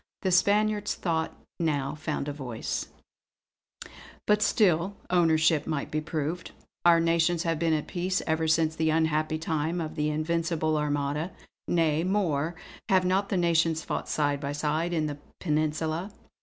The Spaniard's thought now found a voice: "But still ownership might be proved. Our nations have been at peace ever since that unhappy time of the Invincible Armada. Nay more, have not the nations fought side by side in the Peninsula!